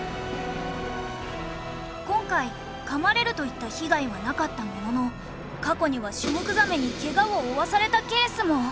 今回噛まれるといった被害はなかったものの過去にはシュモクザメにケガを負わされたケースも。